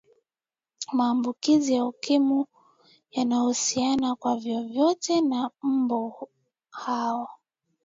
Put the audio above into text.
mambukizi ya ukimwi hayahusiani kwa vyovyote na mbu hao